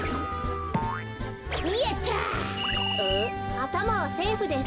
あたまはセーフです。